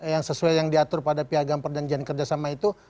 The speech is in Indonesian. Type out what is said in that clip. yang sesuai yang diatur pada piagam perjanjian kerjasama itu